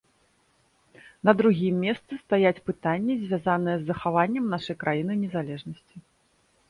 На другім месцы стаяць пытанні, звязаныя з захаваннем нашай краіны незалежнасці.